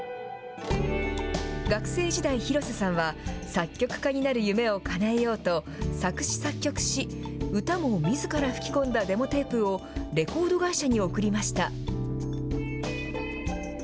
学生時代、広瀬さんは作曲家になる夢をかなえようと、作詞作曲し、歌もみずから吹き込んだデモテープをレコード会社に送りました。